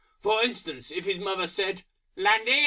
For instance if his Mother said, "Lundy!